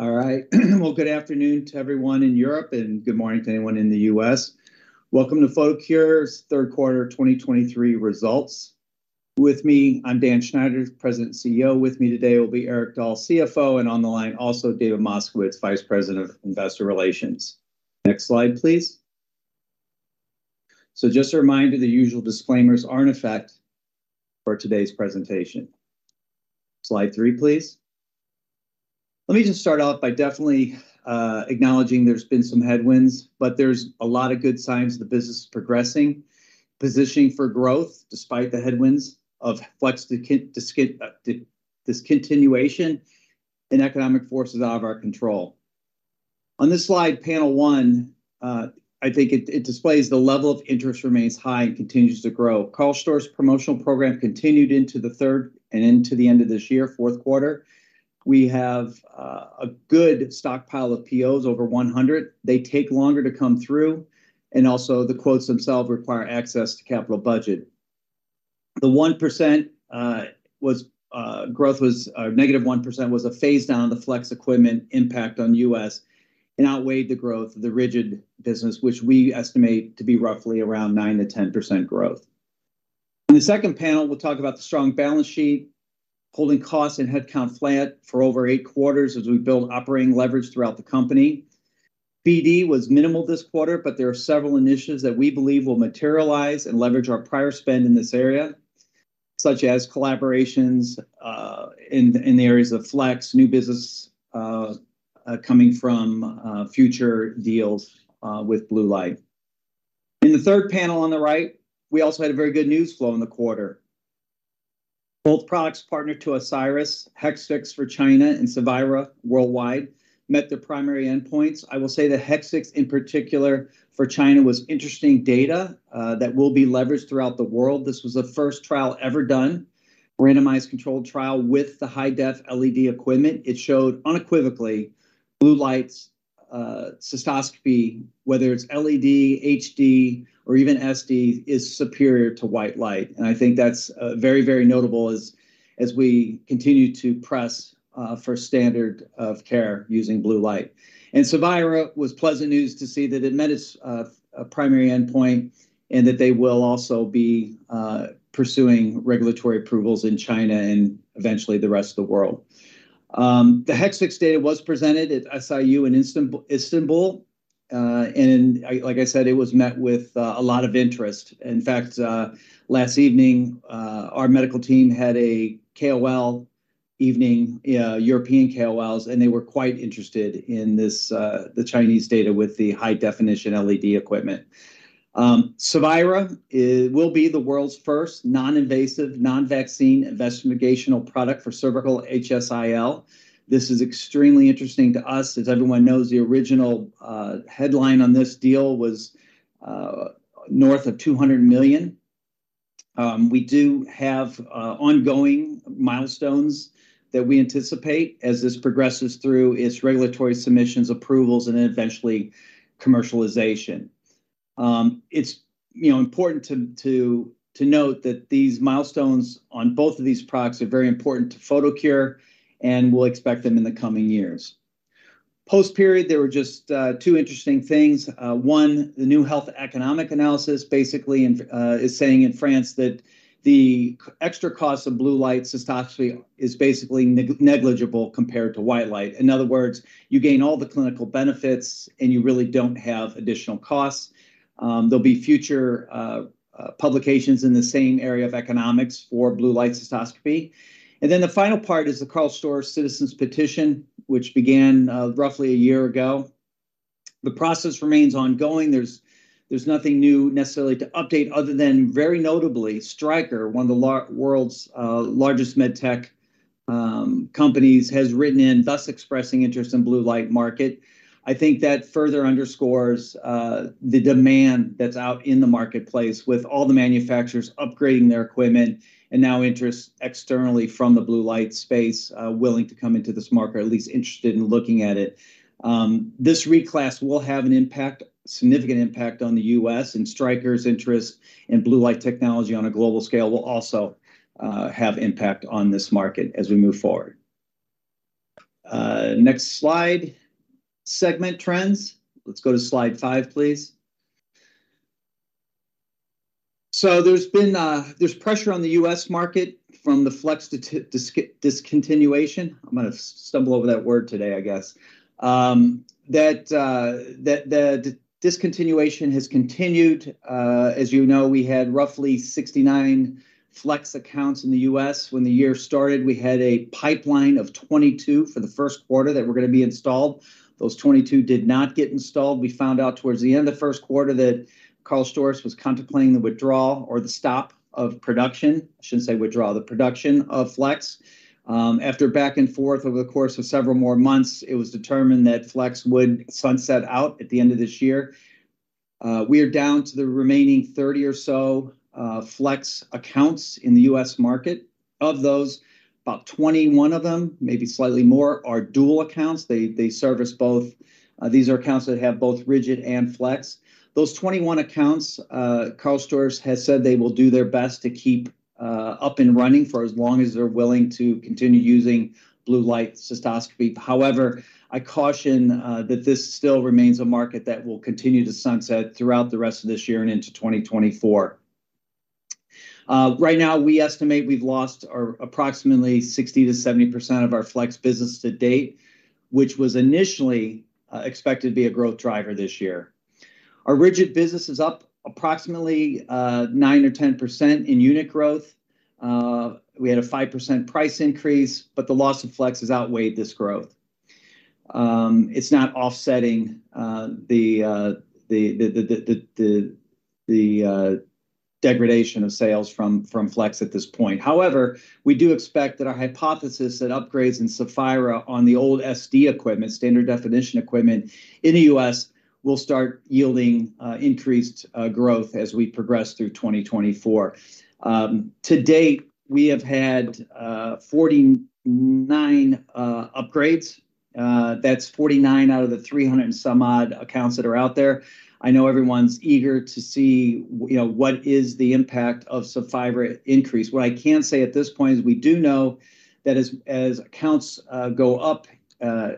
All right. Well, good afternoon to everyone in Europe, and good morning to anyone in the U.S. Welcome to Photocure's Third Quarter 2023 Results. With me, I'm Dan Schneider, President CEO. With me today will be Erik Dahl, CFO, and on the line also, David Moskowitz, Vice President of Investor Relations. Next slide, please. So just a reminder, the usual disclaimers are in effect for today's presentation. Slide three, please. Let me just start off by definitely acknowledging there's been some headwinds, but there's a lot of good signs the business is progressing, positioning for growth despite the headwinds of Flex discontinuation and economic forces out of our control. On this slide, panel one, I think it displays the level of interest remains high and continues to grow. Carl Zeiss promotional program continued into the third and into the end of this year, fourth quarter. We have a good stockpile of POs, over 100. They take longer to come through, and also the quotes themselves require access to capital budget. The 1%, or negative 1% was a phase down of the Flex equipment impact on U.S. and outweighed the growth of the rigid business, which we estimate to be roughly around 9%-10% growth. In the second panel, we'll talk about the strong balance sheet, holding costs and headcount flat for over 8 quarters as we build operating leverage throughout the company. BD was minimal this quarter, but there are several initiatives that we believe will materialize and leverage our prior spend in this area, such as collaborations, in the areas of Flex, new business, coming from, future deals, with blue light. In the third panel on the right, we also had a very good news flow in the quarter. Both products partnered to Asieris, Hexvix for China and Cevira worldwide, met their primary endpoints. I will say that Hexvix, in particular for China, was interesting data, that will be leveraged throughout the world. This was the first trial ever done, randomized controlled trial, with the high-def LED equipment. It showed unequivocally blue light cystoscopy, whether it's LED, HD, or even SD, is superior to white light. I think that's very, very notable as we continue to press for standard of care using blue light. Cevira was pleasant news to see that it met its primary endpoint and that they will also be pursuing regulatory approvals in China and eventually the rest of the world. The Hexvix data was presented at SIU in Istanbul, and like I said, it was met with a lot of interest. In fact, last evening, our medical team had a KOL evening, yeah, European KOLs, and they were quite interested in this, the Chinese data with the high-definition LED equipment. Cevira, it will be the world's first non-invasive, non-vaccine investigational product for cervical HSIL. This is extremely interesting to us. As everyone knows, the original headline on this deal was north of 200 million. We do have ongoing milestones that we anticipate as this progresses through its regulatory submissions, approvals, and then eventually commercialization. It's, you know, important to note that these milestones on both of these products are very important to Photocure, and we'll expect them in the coming years. Post-period, there were just two interesting things. One, the new health economic analysis basically in France is saying that the extra cost of Blue Light Cystoscopy is basically negligible compared to white light. In other words, you gain all the clinical benefits, and you really don't have additional costs. There'll be future publications in the same area of economics for Blue Light Cystoscopy. Then the final part is the Karl Storz Citizen's Petition, which began roughly a year ago. The process remains ongoing. There's nothing new necessarily to update other than, very notably, Stryker, one of the world's largest medtech companies, has written in, thus expressing interest in blue light market. I think that further underscores the demand that's out in the marketplace, with all the manufacturers upgrading their equipment and now interest externally from the blue light space willing to come into this market or at least interested in looking at it. This reclass will have an impact, significant impact on the U.S., and Stryker's interest in blue light technology on a global scale will also have impact on this market as we move forward. Next slide, segment trends. Let's go to slide 5, please. So there's been a—there's pressure on the U.S. market from the Flex discontinuation. I'm gonna stumble over that word today, I guess. That the discontinuation has continued. As you know, we had roughly 69 Flex accounts in the U.S. When the year started, we had a pipeline of 22 for the first quarter that were gonna be installed. Those 22 did not get installed. We found out towards the end of the first quarter that Carl Zeiss was contemplating the withdrawal or the stop of production. I shouldn't say withdraw, the production of Flex. After back and forth over the course of several more months, it was determined that Flex would sunset out at the end of this year. We are down to the remaining 30 or so Flex accounts in the U.S. market. Of those, about 21 of them, maybe slightly more, are dual accounts. They, they service both, these are accounts that have both rigid and Flex. Those 21 accounts, Karl Storz has said they will do their best to keep up and running for as long as they're willing to continue using blue light cystoscopy. However, I caution that this still remains a market that will continue to sunset throughout the rest of this year and into 2024. Right now, we estimate we've lost our approximately 60%-70% of our Flex business to date, which was initially expected to be a growth driver this year. Our rigid business is up approximately 9% or 10% in unit growth. We had a 5% price increase, but the loss of Flex has outweighed this growth. It's not offsetting the degradation of sales from Flex at this point. However, we do expect that our hypothesis that upgrades in Saphira on the old SD equipment, standard definition equipment in the U.S., will start yielding increased growth as we progress through 2024. To date, we have had 49 upgrades. That's 49 out of the 300 and some odd accounts that are out there. I know everyone's eager to see you know, what is the impact of Saphira increase. What I can say at this point is we do know that as accounts go up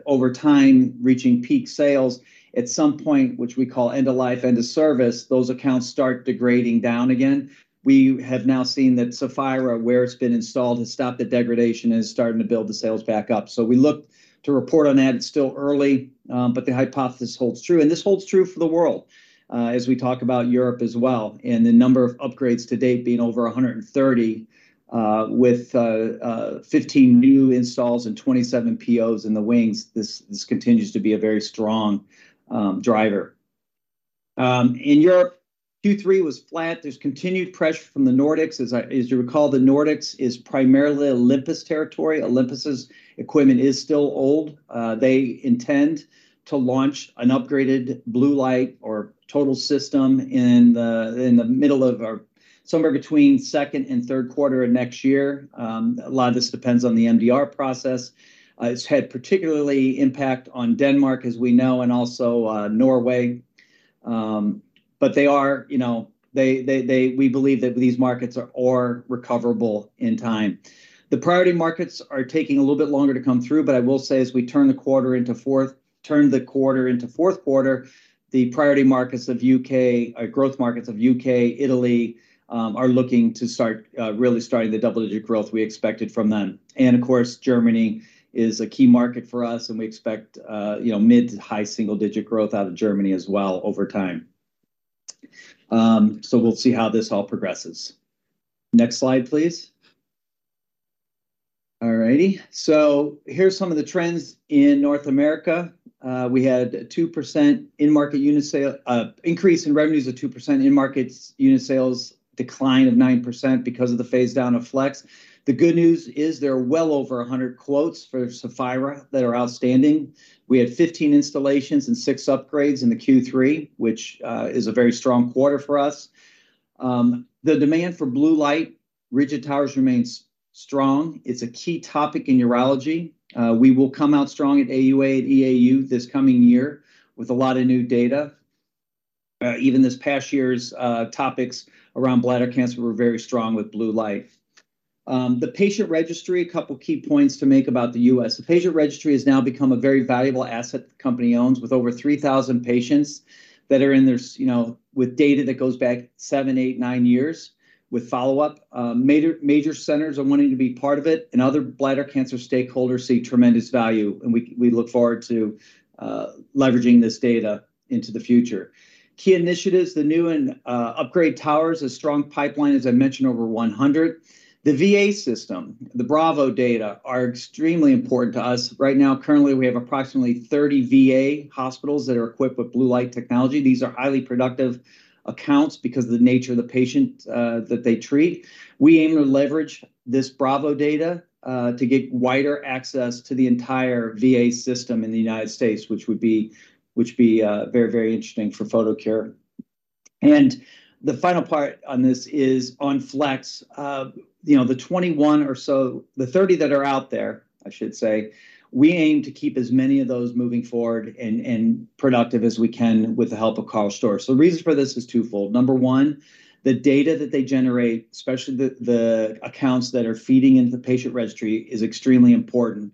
over time, reaching peak sales, at some point, which we call end-of-life, end-of-service, those accounts start degrading down again. We have now seen that Saphira, where it's been installed, has stopped the degradation and is starting to build the sales back up. So we look to report on that. It's still early, but the hypothesis holds true. And this holds true for the world, as we talk about Europe as well, and the number of upgrades to date being over 130, with 15 new installs and 27 POs in the wings, this continues to be a very strong driver. In Europe, Q3 was flat. There's continued pressure from the Nordics. As you recall, the Nordics is primarily Olympus territory. Olympus's equipment is still old. They intend to launch an upgraded blue light or total system in the middle of or somewhere between second and third quarter of next year. A lot of this depends on the MDR process. It's had a particular impact on Denmark, as we know, and also, Norway. But they are, you know, we believe that these markets are recoverable in time. The priority markets are taking a little bit longer to come through, but I will say, as we turn the quarter into fourth quarter, the priority markets of U.K... growth markets of U.K., Italy, are looking to start, really starting the double-digit growth we expected from them. And of course, Germany is a key market for us, and we expect, you know, mid to high single-digit growth out of Germany as well over time. So we'll see how this all progresses. Next slide, please. All righty. So here's some of the trends in North America. We had a 2% in-market unit sale increase in revenues of 2% in markets, unit sales decline of 9% because of the phase down of Flex. The good news is there are well over 100 quotes for Saphira that are outstanding. We had 15 installations and 6 upgrades in the Q3, which is a very strong quarter for us. The demand for blue light rigid towers remains strong. It's a key topic in urology. We will come out strong at AUA and EAU this coming year with a lot of new data. Even this past year's topics around bladder cancer were very strong with blue light. The patient registry, a couple key points to make about the U.S. The patient registry has now become a very valuable asset the company owns, with over 3,000 patients that are in this, you know, with data that goes back 7, 8, 9 years with follow-up. Major, major centers are wanting to be part of it, and other bladder cancer stakeholders see tremendous value, and we, we look forward to leveraging this data into the future. Key initiatives, the new and upgrade towers, a strong pipeline, as I mentioned, over 100. The VA system, the BRAVO data, are extremely important to us. Right now, currently, we have approximately 30 VA hospitals that are equipped with blue light technology. These are highly productive accounts because of the nature of the patient that they treat. We aim to leverage this BRAVO data to get wider access to the entire VA system in the United States, which would be very, very interesting for Photocure. The final part on this is on Flex. You know, the 21 or so, the 30 that are out there, I should say, we aim to keep as many of those moving forward and productive as we can with the help of Karl Storz. The reason for this is twofold. Number one, the data that they generate, especially the accounts that are feeding into the patient registry, is extremely important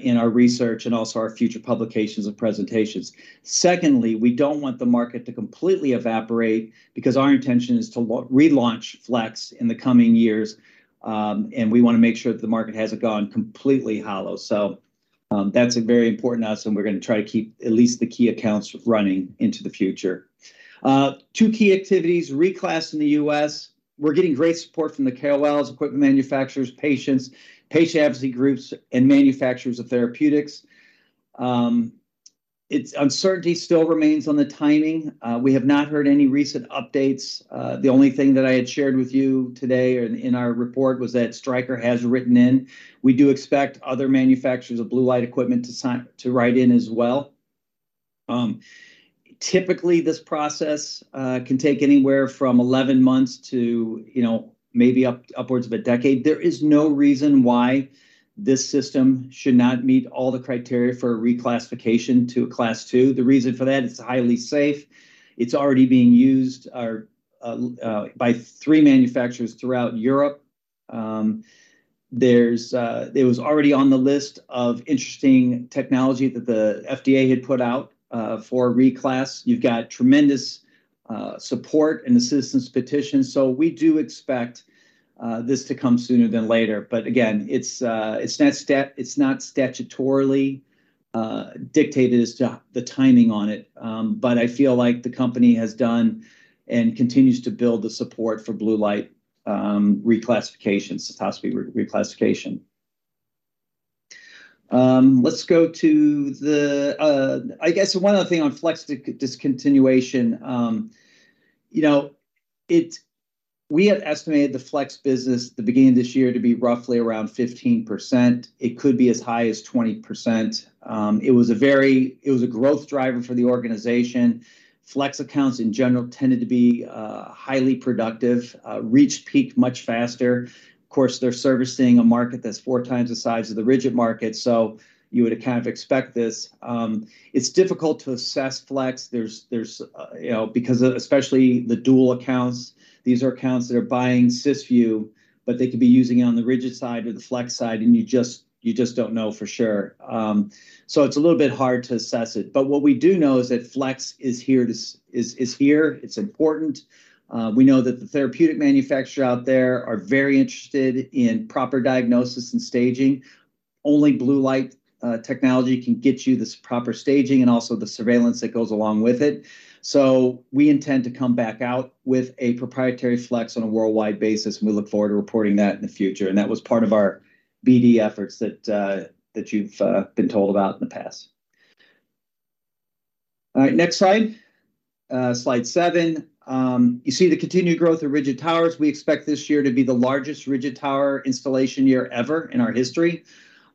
in our research and also our future publications and presentations. Secondly, we don't want the market to completely evaporate because our intention is to relaunch Flex in the coming years, and we wanna make sure that the market hasn't gone completely hollow. So, that's very important to us, and we're gonna try to keep at least the key accounts running into the future. Two key activities, reclass in the U.S. We're getting great support from the KOLs, equipment manufacturers, patients, patient advocacy groups, and manufacturers of therapeutics. Uncertainty still remains on the timing. We have not heard any recent updates. The only thing that I had shared with you today or in our report was that Stryker has written in. We do expect other manufacturers of blue light equipment to write in as well. Typically, this process can take anywhere from 11 months to, you know, maybe upwards of a decade. There is no reason why this system should not meet all the criteria for a reclassification to a Class Two. The reason for that, it's highly safe. It's already being used by three manufacturers throughout Europe. There's it was already on the list of interesting technology that the FDA had put out for reclass. You've got tremendous support and assistance petition, so we do expect this to come sooner than later. But again, it's not statutorily dictated as to the timing on it. But I feel like the company has done and continues to build the support for blue light reclassification, cystoscopy reclassification. Let's go to the... I guess one other thing on Flex discontinuation. You know, we had estimated the Flex business at the beginning of this year to be roughly around 15%. It could be as high as 20%. It was a growth driver for the organization. Flex accounts, in general, tended to be highly productive, reached peak much faster. Of course, they're servicing a market that's 4x the size of the rigid market, so you would kind of expect this. It's difficult to assess Flex. There's you know, because, especially the dual accounts, these are accounts that are buying Cysview, but they could be using it on the rigid side or the Flex side, and you just don't know for sure. So it's a little bit hard to assess it, but what we do know is that Flex is here to is here. It's important. We know that the therapeutic manufacturer out there are very interested in proper diagnosis and staging. Only blue light technology can get you this proper staging and also the surveillance that goes along with it. So we intend to come back out with a proprietary Flex on a worldwide basis, and we look forward to reporting that in the future, and that was part of our BD efforts that you've been told about in the past. All right, next slide. Slide seven. You see the continued growth of rigid towers. We expect this year to be the largest rigid tower installation year ever in our history.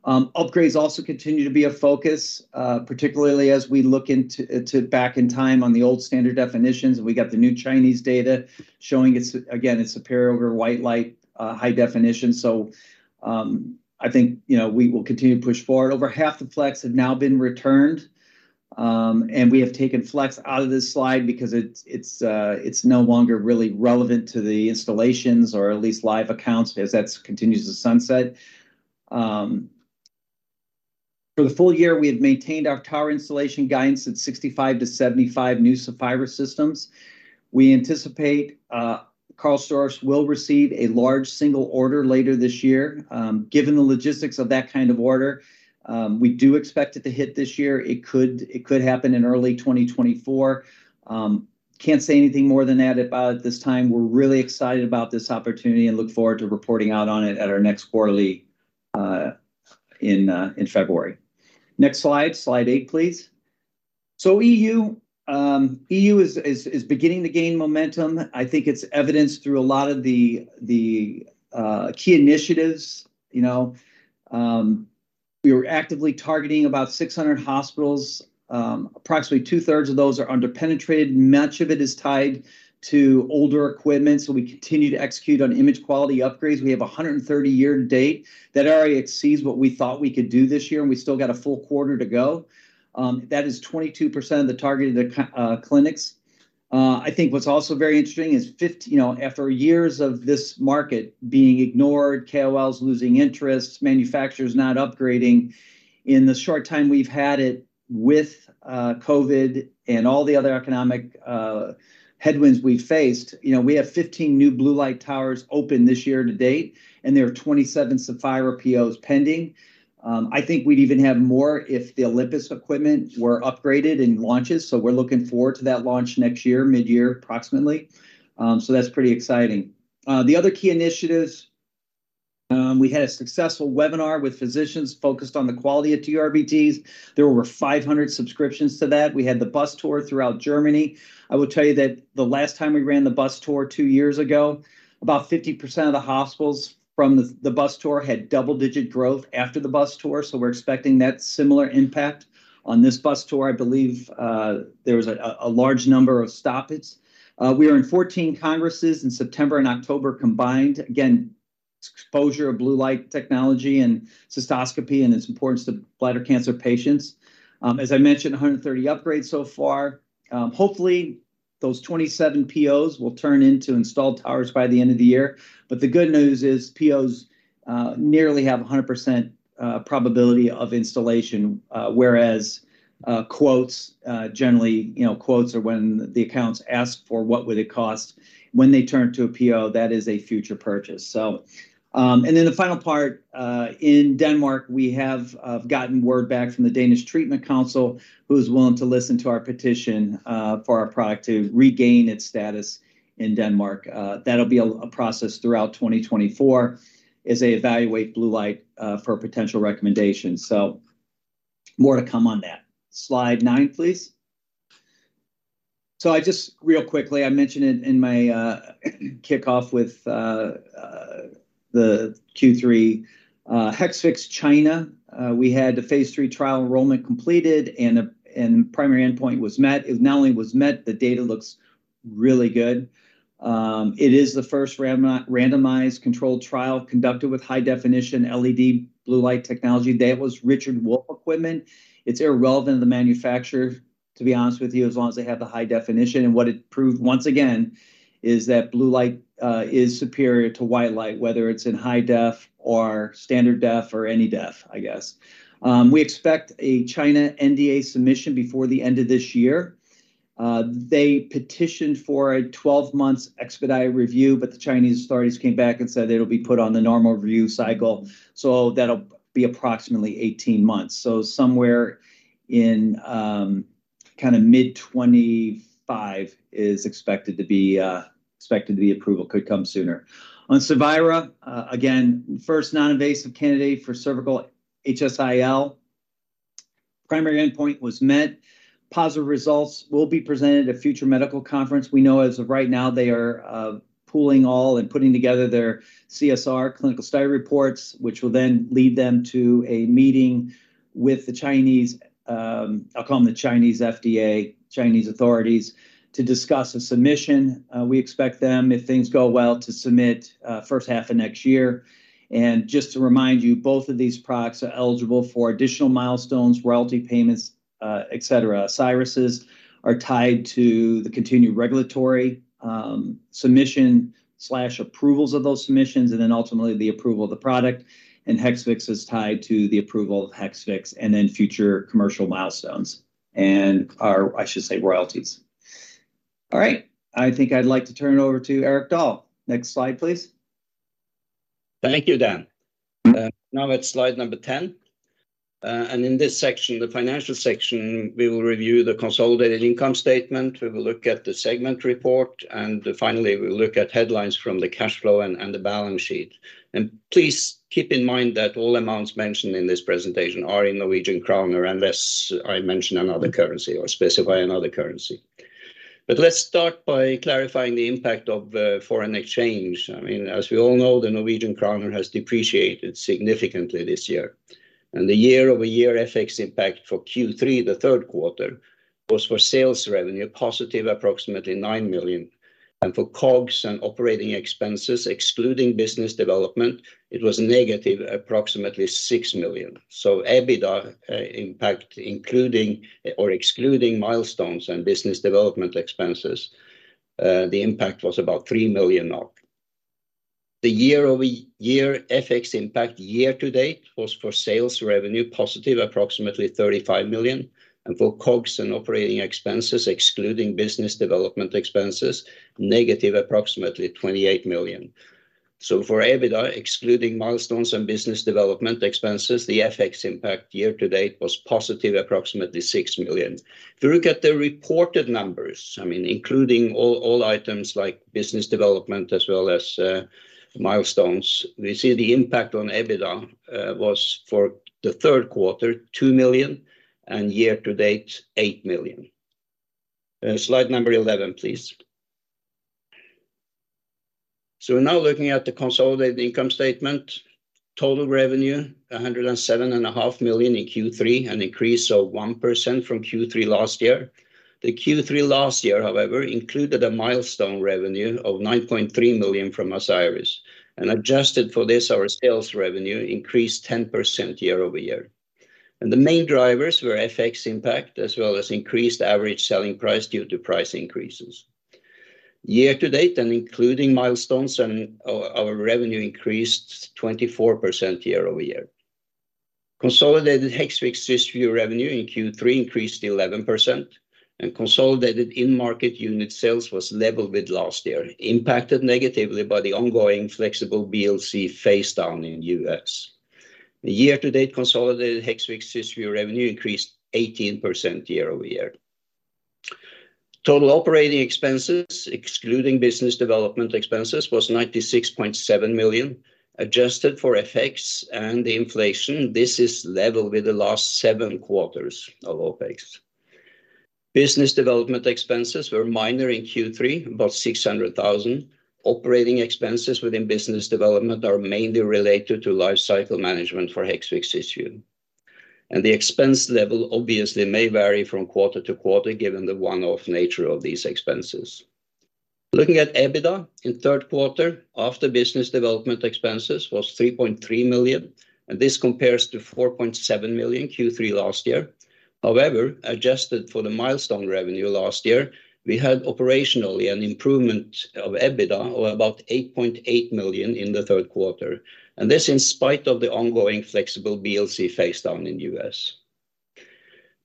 Upgrades also continue to be a focus, particularly as we look into to back in time on the old standard definitions. We got the new Chinese data showing it's, again, it's superior over white light, high definition. So, I think, you know, we will continue to push forward. Over half the Flex have now been returned, and we have taken Flex out of this slide because it's, it's, it's no longer really relevant to the installations or at least live accounts, as that continues to sunset. For the full year, we have maintained our tower installation guidance at 65-75 new Sapphire systems. We anticipate, Karl Storz will receive a large single order later this year. Given the logistics of that kind of order, we do expect it to hit this year. It could, it could happen in early 2024. Can't say anything more than that about it this time. We're really excited about this opportunity and look forward to reporting out on it at our next quarterly in February. Next slide, slide 8, please. So EU is beginning to gain momentum. I think it's evidenced through a lot of the key initiatives, you know. We were actively targeting about 600 hospitals. Approximately two-thirds of those are under-penetrated, much of it is tied to older equipment, so we continue to execute on image quality upgrades. We have 130 year to date. That already exceeds what we thought we could do this year, and we still got a full quarter to go. That is 22% of the targeted clinics. I think what's also very interesting is, you know, after years of this market being ignored, KOLs losing interest, manufacturers not upgrading, in the short time we've had it with COVID and all the other economic headwinds we've faced, you know, we have 15 new blue light towers open this year to date, and there are 27 Sapphire POs pending. I think we'd even have more if the Olympus equipment were upgraded and launches, so we're looking forward to that launch next year, mid-year, approximately. So that's pretty exciting. The other key initiatives, we had a successful webinar with physicians focused on the quality of TURBTs. There were 500 subscriptions to that. We had the bus tour throughout Germany. I will tell you that the last time we ran the bus tour two years ago, about 50% of the hospitals from the bus tour had double-digit growth after the bus tour, so we're expecting that similar impact on this bus tour. I believe there was a large number of stops. We are in 14 congresses in September and October combined. Again, exposure of blue light technology and cystoscopy and its importance to bladder cancer patients. As I mentioned, 130 upgrades so far. Hopefully, those 27 POs will turn into installed towers by the end of the year. But the good news is POs nearly have a 100% probability of installation, whereas quotes generally, you know, quotes are when the accounts ask for what would it cost. When they turn to a PO, that is a future purchase. So, and then the final part in Denmark, we have gotten word back from the Danish Treatment Council, who's willing to listen to our petition for our product to regain its status in Denmark. That'll be a process throughout 2024 as they evaluate blue light for a potential recommendation. So more to come on that. Slide 9, please. So I just, real quickly, I mentioned it in my kickoff with the Q3 Hexvix China. We had the phase 3 trial enrollment completed, and primary endpoint was met. It not only was met, the data looks really good. It is the first randomized controlled trial conducted with high-definition LED blue light technology. That was Richard Wolf equipment. It's irrelevant, the manufacturer, to be honest with you, as long as they have the high definition. What it proved, once again, is that blue light is superior to white light, whether it's in high def or standard def or any def, I guess. We expect a China NDA submission before the end of this year. They petitioned for a 12-month expedited review, but the Chinese authorities came back and said it'll be put on the normal review cycle, so that'll be approximately 18 months. Somewhere in kind of mid-2025 is expected to be expected the approval could come sooner. On Cevira, again, first non-invasive candidate for cervical HSIL. Primary endpoint was met. Positive results will be presented at a future medical conference. We know as of right now, they are pooling all and putting together their CSR, clinical study reports, which will then lead them to a meeting with the Chinese, I'll call them the Chinese FDA, Chinese authorities, to discuss a submission. We expect them, if things go well, to submit first half of next year. And just to remind you, both of these products are eligible for additional milestones, royalty payments etc. Asieris' are tied to the continued regulatory submission slash approvals of those submissions, and then ultimately the approval of the product. And Hexvix is tied to the approval of Hexvix, and then future commercial milestones, and are, I should say, royalties. All right, I think I'd like to turn it over to Erik Dahl. Next slide, please. Thank you, Dan. Now it's slide number 10. And in this section, the financial section, we will review the consolidated income statement, we will look at the segment report, and finally, we'll look at headlines from the cash flow and the balance sheet. Please keep in mind that all amounts mentioned in this presentation are in Norwegian kroner, unless I mention another currency or specify another currency. But let's start by clarifying the impact of foreign exchange. I mean, as we all know, the Norwegian kroner has depreciated significantly this year, and the year-over-year FX impact for Q3, the third quarter, was for sales revenue, positive approximately 9 million, and for COGS and operating expenses, excluding business development, it was negative, approximately 6 million. So EBITDA impact, including or excluding milestones and business development expenses, the impact was about 3 million. The year-over-year FX impact year to date was for sales revenue, positive approximately 35 million, and for COGS and operating expenses, excluding business development expenses, negative approximately 28 million. So for EBITDA, excluding milestones and business development expenses, the FX impact year to date was positive, approximately 6 million. If you look at the reported numbers, I mean, including all, all items like business development as well as, milestones, we see the impact on EBITDA, was for the third quarter, 2 million, and year to date, 8 million. Slide number 11, please. So we're now looking at the consolidated income statement. Total revenue, 107.5 million in Q3, an increase of 1% from Q3 last year. The Q3 last year, however, included a milestone revenue of 9.3 million from Asieris, and adjusted for this, our sales revenue increased 10% year-over-year. The main drivers were FX impact, as well as increased average selling price due to price increases. Year to date and including milestones and our revenue increased 24% year-over-year. Consolidated Hexvix/Cysview revenue in Q3 increased 11%, and consolidated in-market unit sales was level with last year, impacted negatively by the ongoing flexible BLC phase down in U.S. The year-to-date consolidated Hexvix/Cysview revenue increased 18% year-over-year. Total operating expenses, excluding business development expenses, was 96.7 million. Adjusted for FX and the inflation, this is level with the last seven quarters of OpEx. Business development expenses were minor in Q3, about 600,000. Operating expenses within business development are mainly related to life cycle management for Hexvix/Cysview. The expense level obviously may vary from quarter to quarter, given the one-off nature of these expenses. Looking at EBITDA in third quarter, after business development expenses was 3.3 million, and this compares to 4.7 million Q3 last year. However, adjusted for the milestone revenue last year, we had operationally an improvement of EBITDA of about 8.8 million in the third quarter, and this in spite of the ongoing flexible BLC phase down in U.S.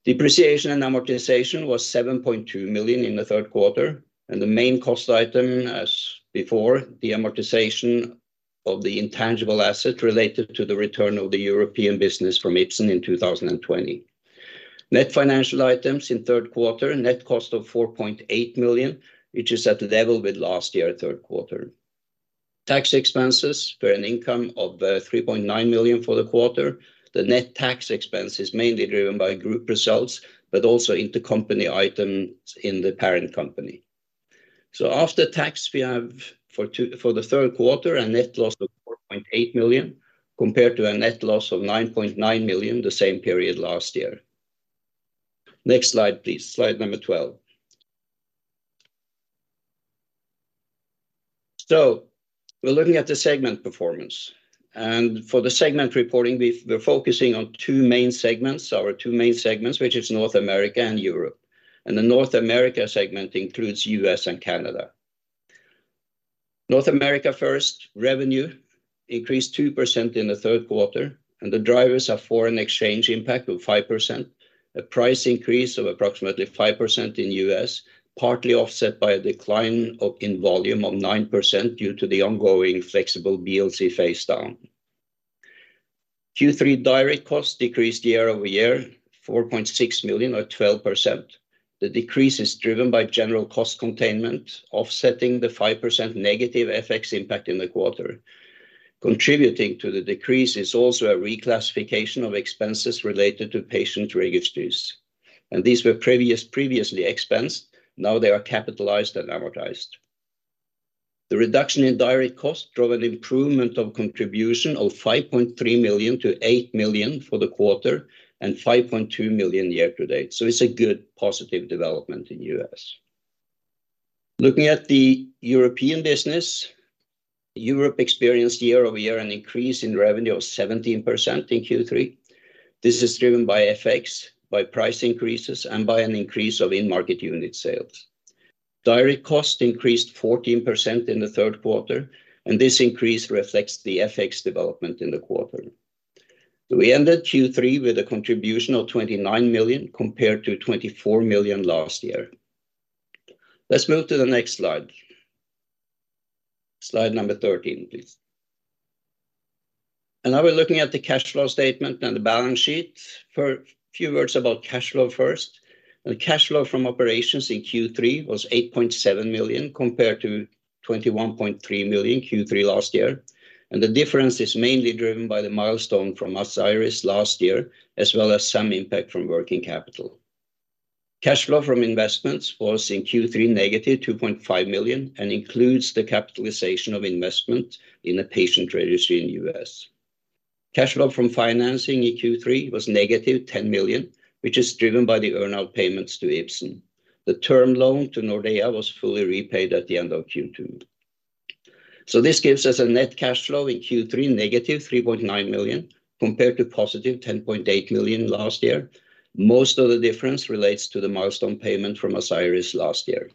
Depreciation and amortization was 7.2 million in the third quarter, and the main cost item, as before, the amortization of the intangible asset related to the return of the European business from Ipsen in 2020. Net financial items in third quarter, net cost of 4.8 million, which is at the level with last year at third quarter. Tax expenses were an income of 3.9 million for the quarter. The net tax expense is mainly driven by group results, but also intercompany items in the parent company. So after tax, we have for the third quarter, a net loss of 4.8 million, compared to a net loss of 9.9 million the same period last year. Next slide, please. Slide number 12. So we're looking at the segment performance, and for the segment reporting, we're focusing on two main segments, our two main segments, which is North America and Europe. And the North America segment includes U.S. and Canada. North America first, revenue increased 2% in the third quarter, and the drivers are foreign exchange impact of 5%, a price increase of approximately 5% in US, partly offset by a decline in volume of 9% due to the ongoing flexible BLC phase down. Q3 direct costs decreased year-over-year, 4.6 million or 12%. The decrease is driven by general cost containment, offsetting the 5% negative FX impact in the quarter. Contributing to the decrease is also a reclassification of expenses related to patient registries, and these were previously expensed, now they are capitalized and amortized. The reduction in direct costs drove an improvement of contribution of 5.3 million-8 million for the quarter and 5.2 million year to date. So it's a good positive development in US. Looking at the European business, Europe experienced year-over-year an increase in revenue of 17% in Q3. This is driven by FX, by price increases, and by an increase of in-market unit sales. Direct costs increased 14% in the third quarter, and this increase reflects the FX development in the quarter. So we ended Q3 with a contribution of 29 million, compared to 24 million last year. Let's move to the next slide. Slide number 13, please. And now we're looking at the cash flow statement and the balance sheet. For a few words about cash flow first. The cash flow from operations in Q3 was 8.7 million, compared to 21.3 million Q3 last year, and the difference is mainly driven by the milestone from Asieris last year, as well as some impact from working capital. Cash flow from investments was, in Q3, -2.5 million and includes the capitalization of investment in a patient registry in the US. Cash flow from financing in Q3 was -10 million, which is driven by the earn-out payments to Ipsen. The term loan to Nordea was fully repaid at the end of Q2. This gives us a net cash flow in Q3, -3.9 million, compared to 10.8 million last year. Most of the difference relates to the milestone payment from Asieris last year.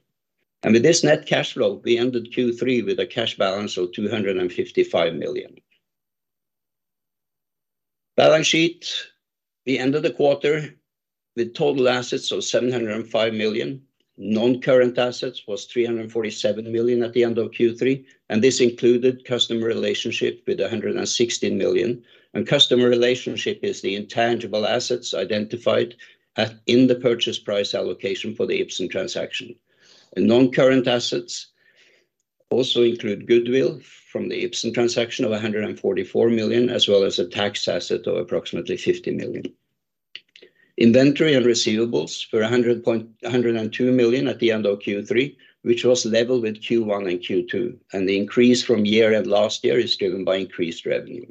With this net cash flow, we ended Q3 with a cash balance of 255 million. Balance sheet, we ended the quarter with total assets of 705 million. Non-current assets was 347 million at the end of Q3, and this included customer relationship with 116 million. And customer relationship is the intangible assets identified at in the purchase price allocation for the Ipsen transaction. And non-current assets also include goodwill from the Ipsen transaction of 144 million, as well as a tax asset of approximately 50 million. Inventory and receivables were a hundred point- a hundred and two million at the end of Q3, which was level with Q1 and Q2, and the increase from year end last year is driven by increased revenue.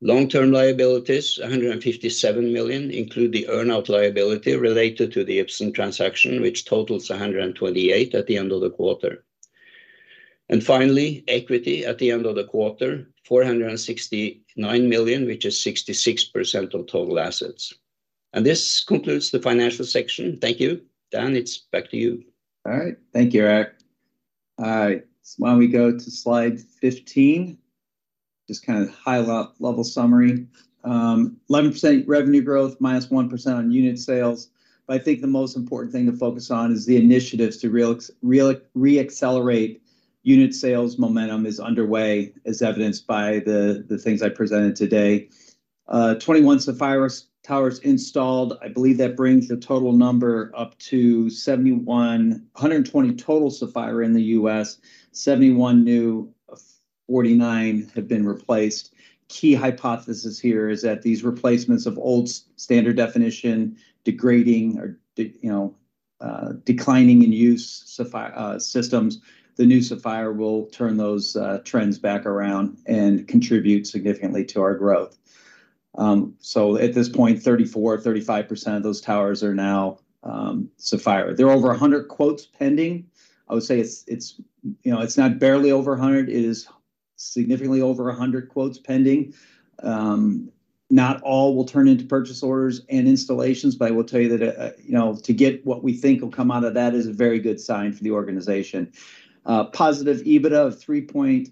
Long-term liabilities, 157 million, include the earn-out liability related to the Ipsen transaction, which totals 128 million at the end of the quarter. Finally, equity at the end of the quarter, 469 million, which is 66% of total assets. This concludes the financial section. Thank you. Dan, it's back to you. All right. Thank you, Erik. Why don't we go to slide 15? Just kind of high-level summary. 11% revenue growth, -1% on unit sales. But I think the most important thing to focus on is the initiatives to reaccelerate unit sales momentum is underway, as evidenced by the things I presented today. 21 Sapphire towers installed. I believe that brings the total number up to 71... 120 total Sapphire in the U.S., 71 new, 49 have been replaced. Key hypothesis here is that these replacements of old standard definition, degrading or declining in use Sapphire systems, the new Sapphire will turn those trends back around and contribute significantly to our growth. So at this point, 34%-35% of those towers are now Sapphire. There are over 100 quotes pending. I would say it's, it's, you know, it's not barely over 100, it is significantly over 100 quotes pending. Not all will turn into purchase orders and installations, but I will tell you that, you know, to get what we think will come out of that is a very good sign for the organization. Positive EBITDA of 3.3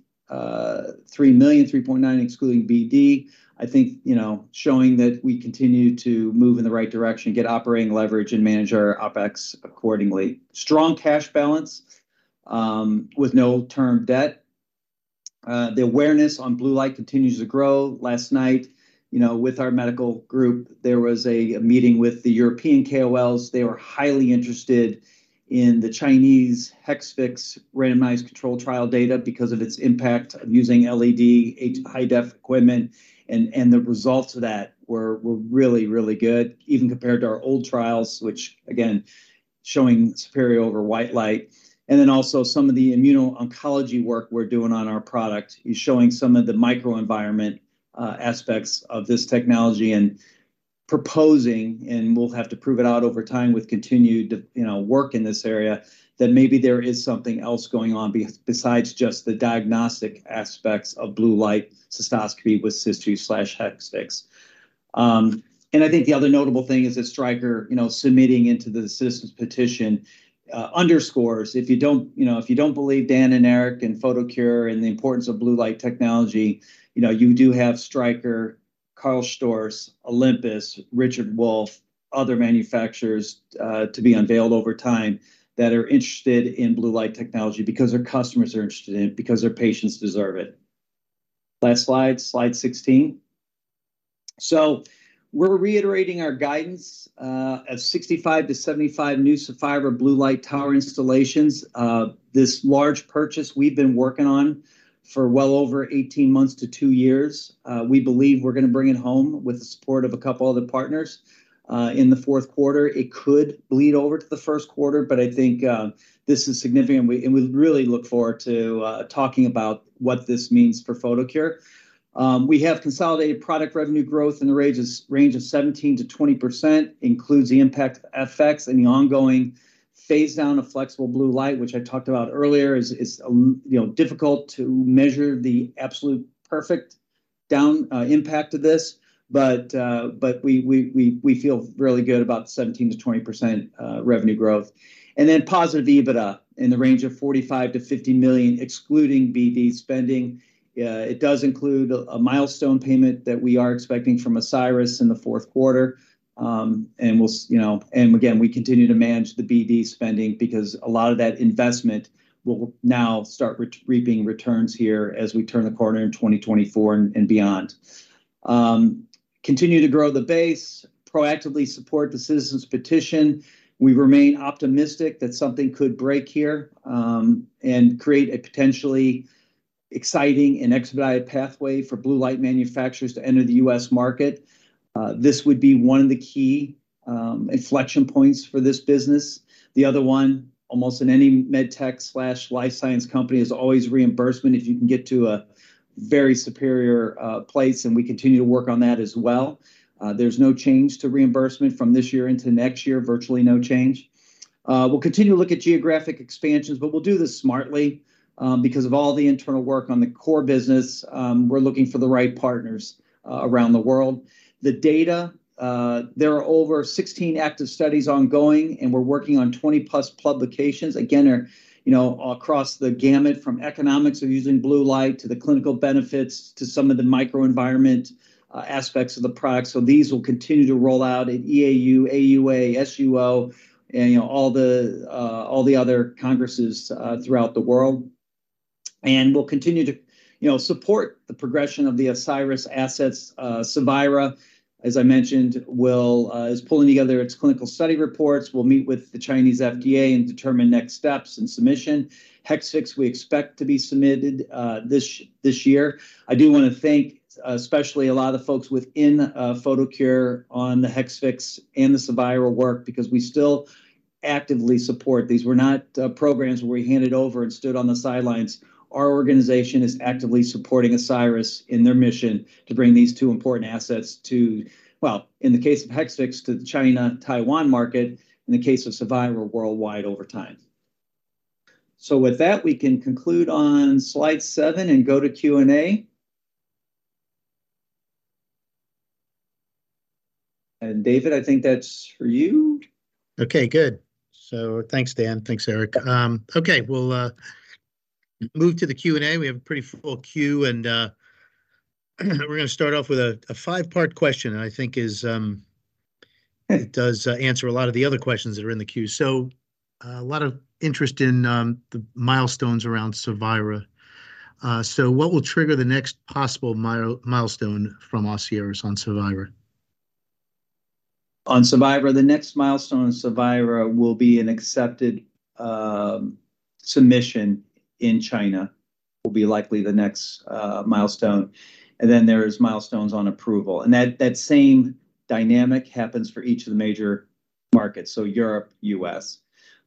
million, 3.9, excluding BD, I think, you know, showing that we continue to move in the right direction, get operating leverage, and manage our OpEx accordingly. Strong cash balance, with no term debt. The awareness on blue light continues to grow. Last night, you know, with our medical group, there was a meeting with the European KOLs. They were highly interested in the Chinese Hexvix randomized controlled trial data because of its impact of using LED high-def equipment, and the results of that were really, really good, even compared to our old trials, which again, showing superior over white light. Then also some of the immuno-oncology work we're doing on our product is showing some of the microenvironment aspects of this technology and proposing, and we'll have to prove it out over time with continued, you know, work in this area, that maybe there is something else going on besides just the diagnostic aspects of blue light cystoscopy with Cysview/Hexvix. I think the other notable thing is that Stryker, you know, submitting into the Citizen's Petition, underscores if you don't, you know, if you don't believe Dan and Erik, and Photocure, and the importance of blue light technology, you know, you do have Stryker, Karl Storz, Olympus, Richard Wolf, other manufacturers, to be unveiled over time, that are interested in blue light technology because their customers are interested in it, because their patients deserve it. Last slide, slide 16. We're reiterating our guidance of 65-75 new Sapphire blue light tower installations. This large purchase we've been working on for well over 18 months to 2 years. We believe we're gonna bring it home with the support of a couple other partners. In the fourth quarter, it could bleed over to the first quarter, but I think this is significant. And we really look forward to talking about what this means for Photocure. We have consolidated product revenue growth in the range of 17%-20%, includes the impact of FX and the ongoing phase down of flexible blue light, which I talked about earlier, is you know, difficult to measure the absolute perfect down impact of this. But we feel really good about 17%-20% revenue growth. And then positive EBITDA in the range of 45 million-50 million, excluding BD spending. It does include a milestone payment that we are expecting from Asieris in the fourth quarter. And we'll, you know... And again, we continue to manage the BD spending because a lot of that investment will now start reaping returns here as we turn the corner in 2024 and beyond. Continue to grow the base, proactively support the Citizen's Petition. We remain optimistic that something could break here and create a potentially exciting and expedited pathway for blue light manufacturers to enter the U.S. market. This would be one of the key inflection points for this business. The other one, almost in any med tech/life science company, is always reimbursement, if you can get to a very superior place, and we continue to work on that as well. There's no change to reimbursement from this year into next year, virtually no change. We'll continue to look at geographic expansions, but we'll do this smartly, because of all the internal work on the core business. We're looking for the right partners, around the world. The data, there are over 16 active studies ongoing, and we're working on 20+ publications. Again, you know, across the gamut, from economics of using blue light, to the clinical benefits, to some of the microenvironment aspects of the product. So these will continue to roll out at EAU, AUA, SUO, and, you know, all the other congresses, throughout the world. And we'll continue to, you know, support the progression of the Cevira assets. Cevira, as I mentioned, is pulling together its clinical study reports. We'll meet with the Chinese FDA and determine next steps and submission. Hexvix, we expect to be submitted this year. I do wanna thank, especially a lot of folks within Photocure on the Hexvix and the Cevira work, because we still actively support. These were not programs where we handed over and stood on the sidelines. Our organization is actively supporting Asieris in their mission to bring these two important assets to... Well, in the case of Hexvix, to the China, Taiwan market, in the case of Cevira, worldwide over time. So with that, we can conclude on slide seven and go to Q&A. And, David, I think that's for you. Okay, good. So thanks, Dan. Thanks, Erik. Okay, we'll move to the Q&A. We have a pretty full queue, and we're gonna start off with a five-part question, and I think it does answer a lot of the other questions that are in the queue. So, a lot of interest in the milestones around Cevira. So what will trigger the next possible milestone from Asieris on Cevira? On Cevira, the next milestone on Cevira will be an accepted submission in China, will be likely the next milestone. And then there is milestones on approval, and that same dynamic happens for each of the major markets, so Europe, US.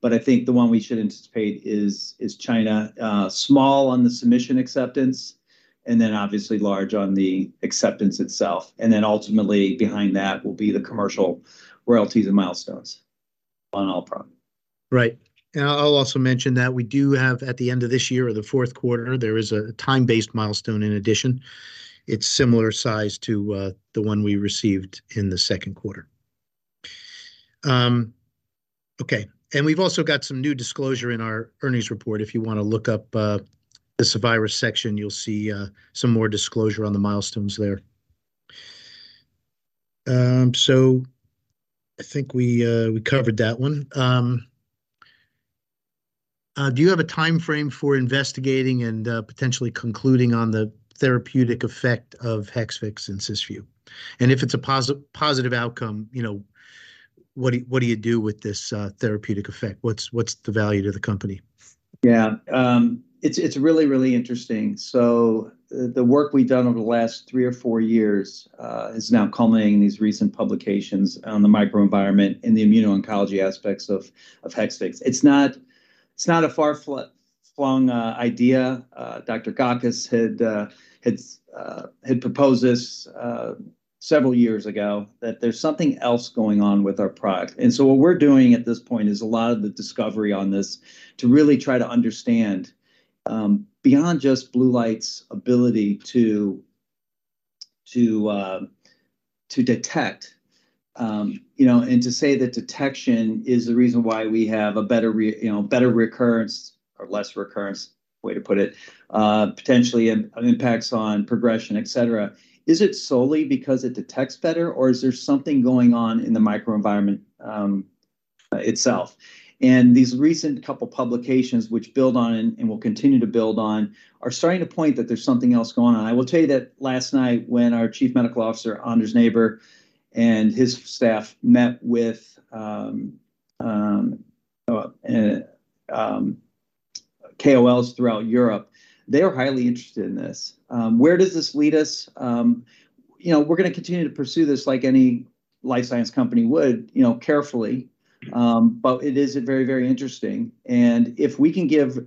But I think the one we should anticipate is China. Small on the submission acceptance, and then obviously large on the acceptance itself. And then ultimately, behind that will be the commercial royalties and milestones on all products. Right. And I'll also mention that we do have, at the end of this year or the fourth quarter, there is a time-based milestone in addition. It's similar size to the one we received in the second quarter. Okay, and we've also got some new disclosure in our earnings report. If you wanna look up the Cevira section, you'll see some more disclosure on the milestones there. So I think we covered that one. Do you have a time frame for investigating and potentially concluding on the therapeutic effect of Hexvix and Cysview? And if it's a positive outcome, you know, what do you do with this therapeutic effect? What's the value to the company? Yeah. It's really interesting. So the work we've done over the last three or four years is now culminating in these recent publications on the microenvironment and the immuno-oncology aspects of Hexvix. It's not a far-flung idea. Dr. Gakis had proposed this several years ago, that the re's something else going on with our product. And so what we're doing at this point is a lot of the discovery on this to really try to understand beyond just blue light's ability to detect, you know, and to say that detection is the reason why we have a better recurrence or less recurrence, way to put it, potentially impacts on progression, etc. Is it solely because it detects better, or is there something going on in the microenvironment, itself? And these recent couple publications, which build on and will continue to build on, are starting to point that there's something else going on. I will tell you that last night, when our Chief Medical Officer, Anders Neijber, and his staff met with KOLs throughout Europe, they were highly interested in this. Where does this lead us? You know, we're gonna continue to pursue this like any life science company would, you know, carefully. But it is very, very interesting, and if we can give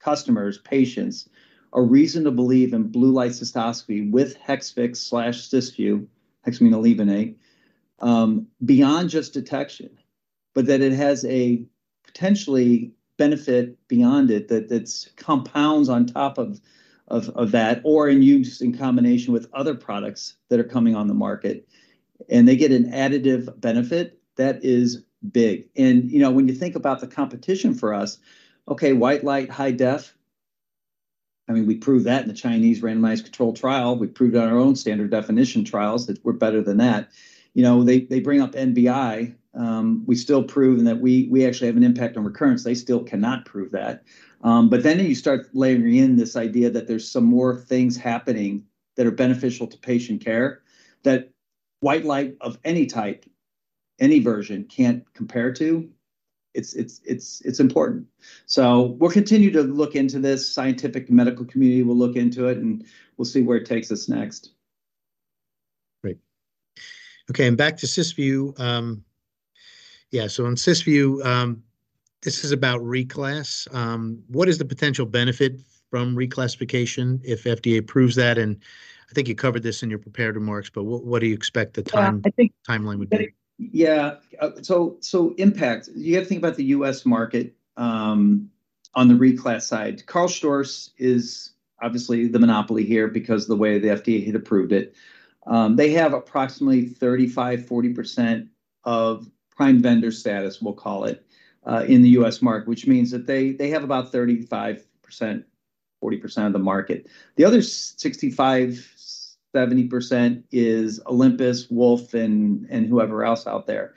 customers, patients, a reason to believe in blue light cystoscopy with Hexvix/Cysview, hexaminolevulinate, beyond just detection, but that it has a potential benefit beyond it, that that's compounds on top of, of, of that, or in use in combination with other products that are coming on the market, and they get an additive benefit, that is big. And, you know, when you think about the competition for us, okay, white light, high def, I mean, we proved that in the Chinese randomized controlled trial. We proved on our own standard definition trials that we're better than that. You know, they, they bring up NBI, we still prove that we, we actually have an impact on recurrence. They still cannot prove that. But then you start layering in this idea that there's some more things happening that are beneficial to patient care, that white light of any type, any version can't compare to. It's important. So we'll continue to look into this. Scientific and medical community will look into it, and we'll see where it takes us next. Great. Okay, and back to Cysview. Yeah, so on Cysview, this is about reclass. What is the potential benefit from reclassification if FDA approves that? And I think you covered this in your prepared remarks, but what, what do you expect the time- Well, I think- Timeline would be? Yeah. So, so impact, you have to think about the U.S. market on the reclass side. Karl Storz is obviously the monopoly here because the way the FDA had approved it. They have approximately 35-40% of prime vendor status, we'll call it, in the U.S. market, which means that they have about 35%-40% of the market. The other 65-70% is Olympus, Wolf, and whoever else out there.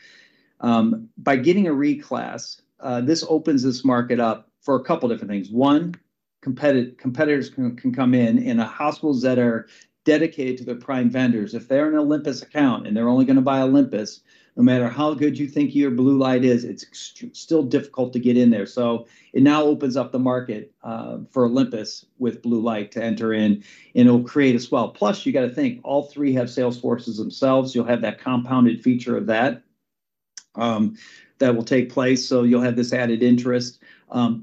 By getting a reclass, this opens this market up for a couple different things. One, competitors can come in, in the hospitals that are dedicated to their prime vendors. If they're an Olympus account and they're only gonna buy Olympus, no matter how good you think your blue light is, it's still difficult to get in there. So it now opens up the market, for Olympus with blue light to enter in, and it'll create a swell. Plus, you got to think all three have sales forces themselves. You'll have that compounded feature of that, that will take place, so you'll have this added interest.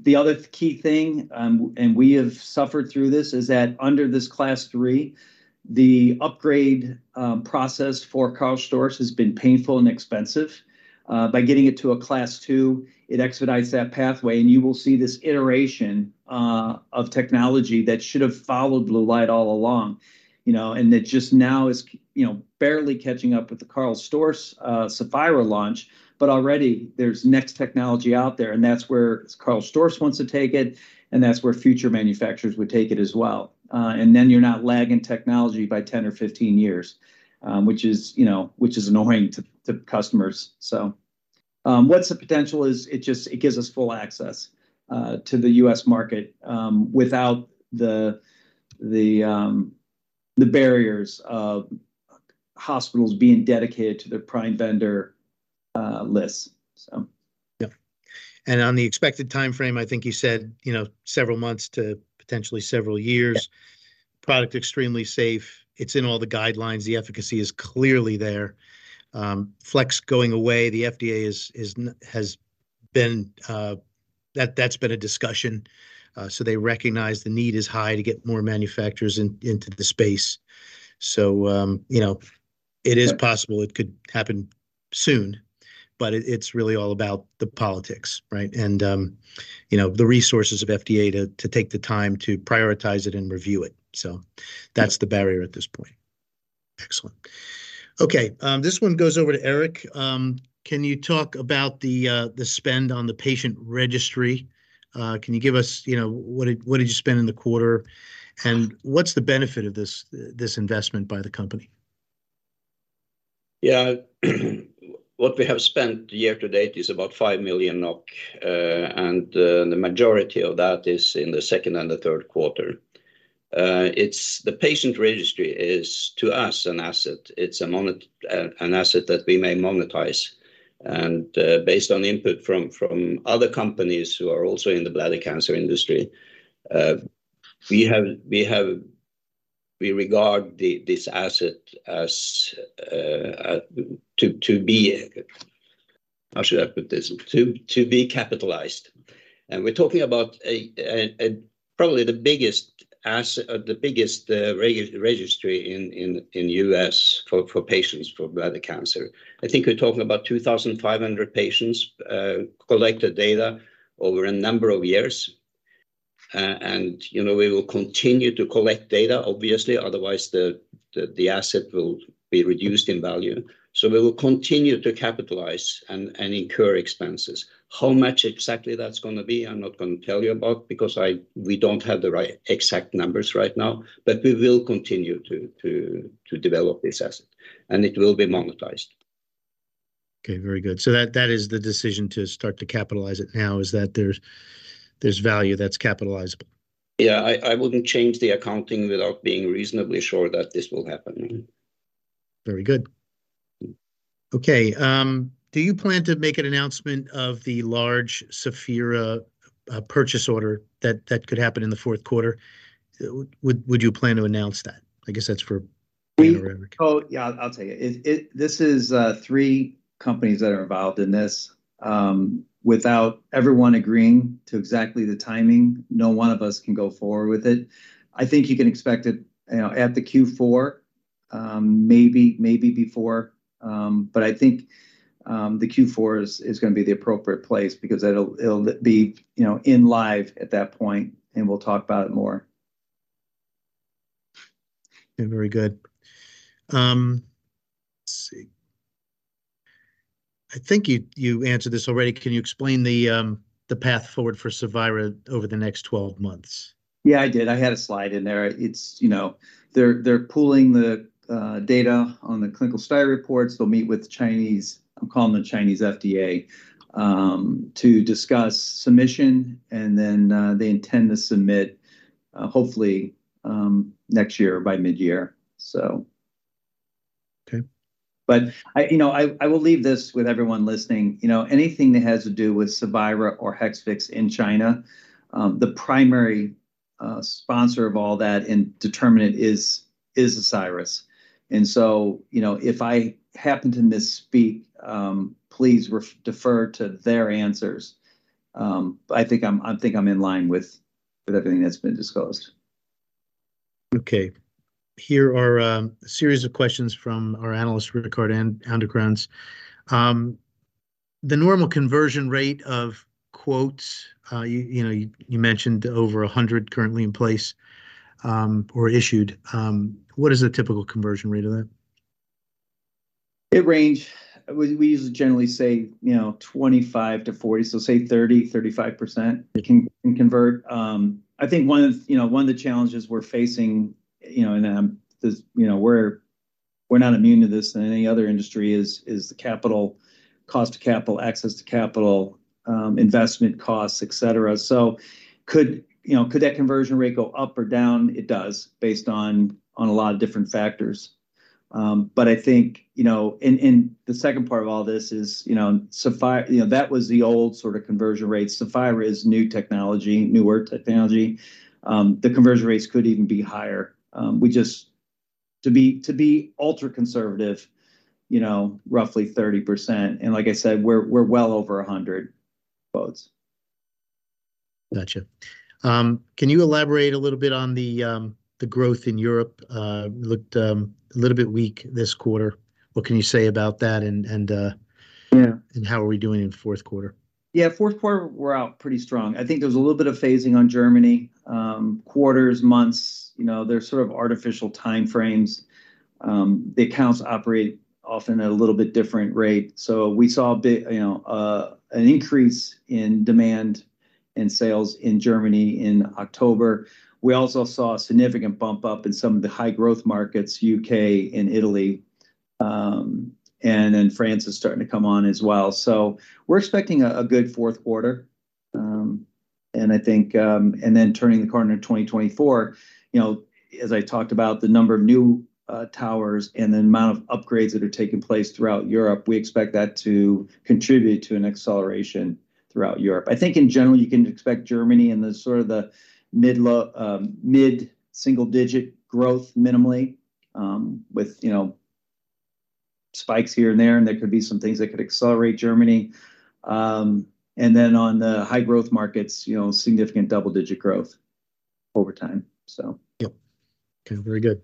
The other key thing, and we have suffered through this, is that under this Class three, the upgrade, process for Karl Storz has been painful and expensive. By getting it to a Class two, it expedites that pathway, and you will see this iteration, of technology that should have followed blue light all along. You know, and that just now is, you know, barely catching up with the Karl Storz Sapphire launch, but already there's next technology out there, and that's where Karl Storz wants to take it, and that's where future manufacturers would take it as well. And then you're not lagging technology by 10 or 15 years, which is, you know, which is annoying to customers, so. What's the potential is it just, it gives us full access to the U.S. market without the barriers of hospitals being dedicated to their prime vendor lists so... Yeah. On the expected time frame, I think you said, you know, several months to potentially several years. Yeah. Product extremely safe. It's in all the guidelines. The efficacy is clearly there. Flex going away, the FDA has been, that's been a discussion. So they recognize the need is high to get more manufacturers in, into the space. So, you know, it is- Yeah... possible it could happen soon, but it's really all about the politics, right? And, you know, the resources of FDA to take the time to prioritize it and review it. Yeah. So that's the barrier at this point. Excellent. Okay, this one goes over to Erik. Can you talk about the spend on the patient registry? Can you give us, you know, what did you spend in the quarter, and what's the benefit of this investment by the company?... Yeah, what we have spent year to date is about 5 million NOK, and the majority of that is in the second and the third quarter. The patient registry is, to us, an asset. It's an asset that we may monetize, and based on input from other companies who are also in the bladder cancer industry, we regard this asset as to be, how should I put this? To be capitalized. And we're talking about a probably the biggest registry in the U.S. for patients for bladder cancer. I think we're talking about 2,500 patients, collected data over a number of years. You know, we will continue to collect data, obviously. Otherwise, the asset will be reduced in value. So we will continue to capitalize and incur expenses. How much exactly that's gonna be, I'm not gonna tell you about, because we don't have the exact numbers right now, but we will continue to develop this asset, and it will be monetized. Okay, very good. So that is the decision to start to capitalize it now, is that there's value that's capitalizable? Yeah, I wouldn't change the accounting without being reasonably sure that this will happen. Very good. Okay, do you plan to make an announcement of the large Saphira purchase order that could happen in the fourth quarter? Would you plan to announce that? I guess that's for- We- Erik. Oh, yeah, I'll tell you. This is three companies that are involved in this. Without everyone agreeing to exactly the timing, no one of us can go forward with it. I think you can expect it, you know, at the Q4, maybe, maybe before, but I think the Q4 is gonna be the appropriate place, because it'll be, you know, in live at that point, and we'll talk about it more. Very good. Let's see. I think you answered this already. Can you explain the path forward for Saphira over the next 12 months? Yeah, I did. I had a slide in there. It's, you know, they're pooling the data on the clinical study reports. They'll meet with the Chinese... I'm calling the Chinese FDA, to discuss submission, and then, they intend to submit, hopefully, next year by mid-year, so. Okay. But I, you know, I will leave this with everyone listening, you know, anything that has to do with Cevira or Hexvix in China, the primary sponsor of all that and determinant is Asieris. And so, you know, if I happen to misspeak, please defer to their answers. I think I'm, I think I'm in line with everything that's been disclosed. Okay, here are a series of questions from our analyst, Rickard Anderkrans. The normal conversion rate of quotes, you know, you mentioned over 100 currently in place, or issued. What is the typical conversion rate of that? In range—we usually generally say, you know, 25%-40%, so say 30, 35% it can, it can convert. I think one of the, you know, one of the challenges we're facing, you know, and, is, you know, we're, we're not immune to this than any other industry is, is the capital cost to capital, access to capital, investment costs, etc. So could, you know, could that conversion rate go up or down? It does, based on, on a lot of different factors. But I think, you know, and, and the second part of all this is, you know, Sapphire—you know, that was the old sort of conversion rate. Sapphire is new technology, newer technology. The conversion rates could even be higher. We just... To be ultra-conservative, you know, roughly 30%, and like I said, we're well over 100 quotes. Gotcha. Can you elaborate a little bit on the growth in Europe? Looked a little bit weak this quarter. What can you say about that, and Yeah... and how are we doing in the fourth quarter? Yeah, fourth quarter, we're out pretty strong. I think there was a little bit of phasing on Germany. Quarters, months, you know, there's sort of artificial timeframes. The accounts operate often at a little bit different rate. So we saw a big, you know, an increase in demand and sales in Germany in October. We also saw a significant bump up in some of the high-growth markets, U.K. and Italy, and then France is starting to come on as well. So we're expecting a, a good fourth quarter. And I think, and then turning the corner to 2024, you know, as I talked about the number of new towers and the amount of upgrades that are taking place throughout Europe, we expect that to contribute to an acceleration throughout Europe. I think in general, you can expect Germany in the sort of the mid, low, mid-single-digit growth minimally, with, you know, spikes here and there, and there could be some things that could accelerate Germany. And then on the high growth markets, you know, significant double-digit growth over time, so. Yep. Okay, very good.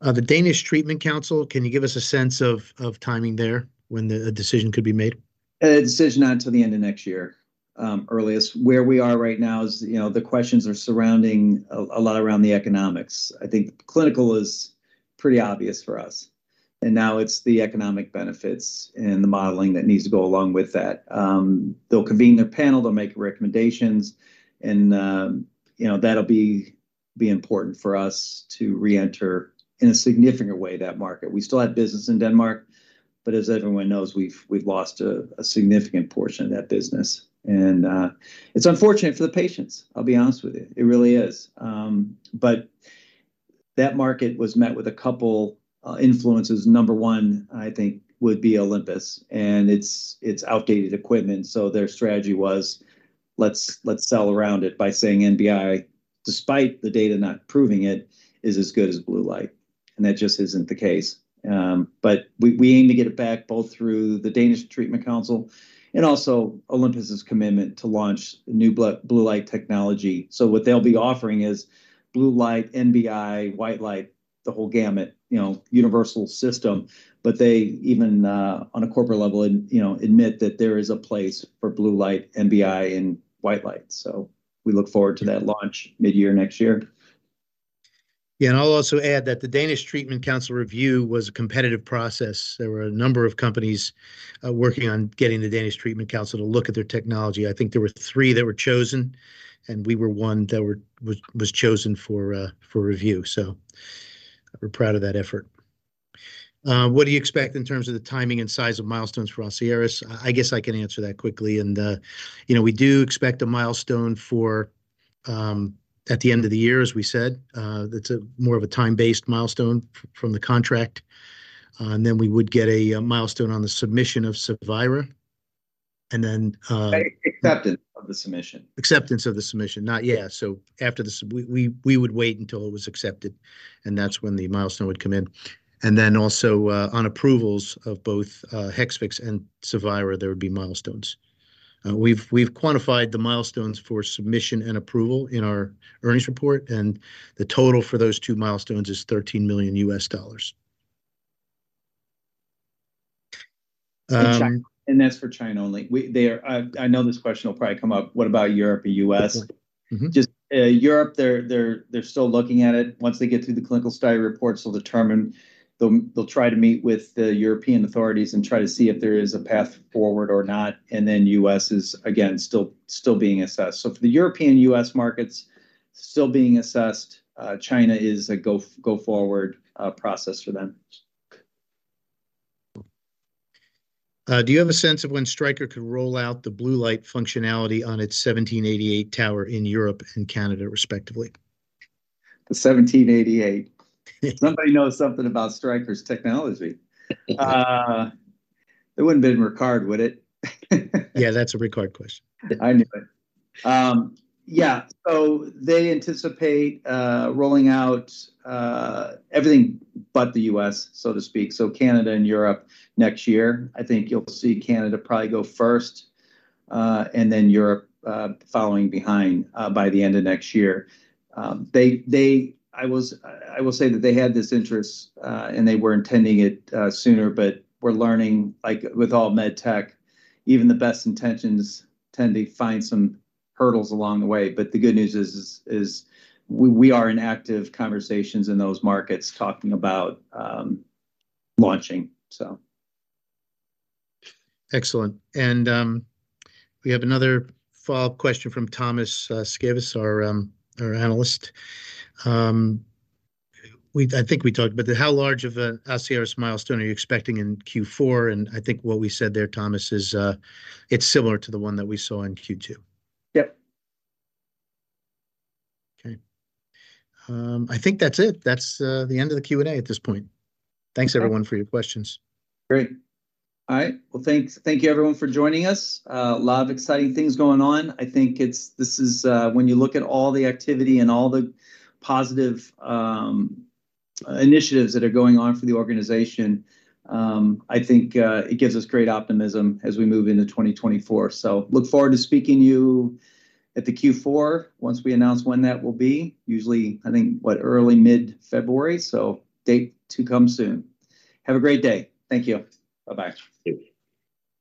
The Danish Treatment Council, can you give us a sense of timing there, when a decision could be made? A decision not until the end of next year, earliest. Where we are right now is, you know, the questions are surrounding a lot around the economics. I think clinical is pretty obvious for us, and now it's the economic benefits and the modeling that needs to go along with that. They'll convene their panel, they'll make recommendations, and, you know, that'll be important for us to reenter, in a significant way, that market. We still have business in Denmark, but as everyone knows, we've lost a significant portion of that business. And, it's unfortunate for the patients, I'll be honest with you. It really is. But that market was met with a couple influences. Number one, I think, would be Olympus, and it's outdated equipment, so their strategy was, "Let's sell around it by saying NBI, despite the data not proving it, is as good as blue light," and that just isn't the case. But we aim to get it back both through the Danish Treatment Council and also Olympus's commitment to launch new blue light technology. So what they'll be offering is blue light, NBI, white light, the whole gamut, you know, universal system. But they even, on a corporate level, you know, admit that there is a place for blue light, NBI, and white light. So we look forward to that launch mid-year next year. Yeah, and I'll also add that the Danish Treatment Council review was a competitive process. There were a number of companies working on getting the Danish Treatment Council to look at their technology. I think there were three that were chosen, and we were one that was chosen for review. So we're proud of that effort. What do you expect in terms of the timing and size of milestones for Asieris? I guess I can answer that quickly. And, you know, we do expect a milestone for at the end of the year, as we said. That's more of a time-based milestone from the contract, and then we would get a milestone on the submission of Cevira. And then, Acceptance of the submission. Acceptance of the submission. Yeah, so after the submission, we would wait until it was accepted, and that's when the milestone would come in. And then also, on approvals of both Hexvix and Cevira, there would be milestones. We've quantified the milestones for submission and approval in our earnings report, and the total for those two milestones is $13 million. That's for China only. They are, I know this question will probably come up: What about Europe or U.S.? Mm-hmm. Just, Europe, they're still looking at it. Once they get through the clinical study reports, they'll try to meet with the European authorities and try to see if there is a path forward or not. And then U.S. is, again, still being assessed. So for the European U.S. markets, still being assessed. China is a go forward process for them. Do you have a sense of when Stryker could roll out the blue light functionality on its 1788 tower in Europe and Canada, respectively? The 1788. Somebody knows something about Stryker's technology. It wouldn't have been Rickard, would it? Yeah, that's a Rickard question. I knew it. Yeah, so they anticipate rolling out everything but the US, so to speak, so Canada and Europe next year. I think you'll see Canada probably go first, and then Europe following behind by the end of next year. I will say that they had this interest, and they were intending it sooner, but we're learning, like with all med tech, even the best intentions tend to find some hurdles along the way. But the good news is we are in active conversations in those markets, talking about launching, so... Excellent. And we have another follow-up question from Thomas Siwers, our analyst. I think we talked about it, how large of a Asieris milestone are you expecting in Q4? And I think what we said there, Thomas, is, it's similar to the one that we saw in Q2. Yep. Okay. I think that's it. That's the end of the Q&A at this point. Okay. Thanks everyone, for your questions. Great. All right. Well, thanks- thank you everyone for joining us. A lot of exciting things going on. I think it's- this is, when you look at all the activity and all the positive, initiatives that are going on for the organization, I think, it gives us great optimism as we move into 2024. So look forward to speaking to you at the Q4, once we announce when that will be. Usually, I think, what, early, mid-February, so date to come soon. Have a great day. Thank you. Bye-bye. Thank you.